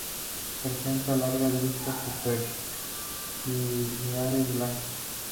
Presenta largas listas superciliares blancas.